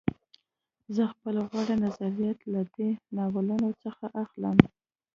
زه خپل غوره نظرونه له دې ناولونو څخه اخلم